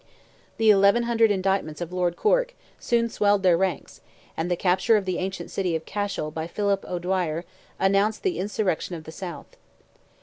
The 1,100 indictments of Lord Cork soon swelled their ranks, and the capture of the ancient city of Cashel by Philip O'Dwyer announced the insurrection of the South.